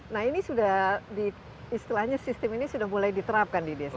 nah ini sudah di istilahnya sistem ini sudah mulai diterapkan di desa